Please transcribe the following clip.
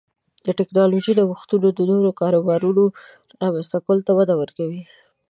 د ټکنالوژۍ نوښتونه د نوو کاروبارونو رامنځته کولو ته وده ورکوي.